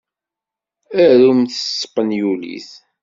Arumt s tespenyulit.